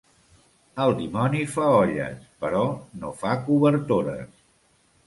El dimoni fa olles, però no fa cobertores.